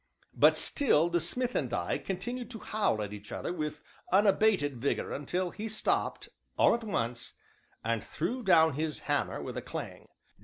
But still the smith and I continued to howl at each other with unabated vigor until he stopped, all at once, and threw down his hammer with a clang.